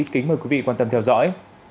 kính mời quý vị quan tâm theo dõi